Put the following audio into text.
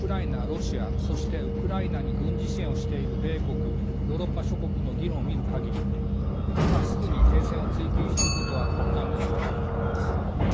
ロシアそしてウクライナに軍事支援をしている米国ヨーロッパ諸国の議論を見る限り今すぐに停戦を追求することは困難な状況にあります。